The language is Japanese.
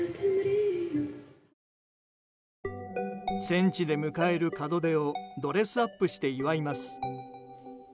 戦地で迎える門出をドレスアップして祝います。